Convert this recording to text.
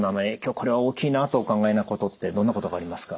これは大きいなとお考えなことってどんなことがありますか？